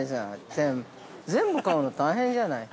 全部買うの大変じゃない。